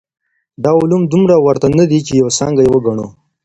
دا علوم دومره ورته نه دي چي يوه څانګه يې وګڼو.